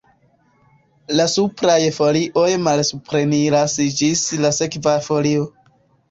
La supraj folioj malsupreniras ĝis la sekva folio.